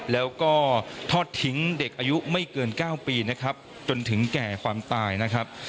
แล้วก็ทอดทิ้งเด็กอายุไม่เกิน๙ปีนะครับจนถึงแก่ความตายนะครับ